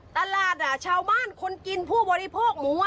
ตลาดชาวบ้านคนกินผู้บริโภคหมู